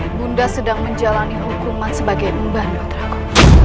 ibu anda sedang menjalani hukuman sebagai pembantu putra ku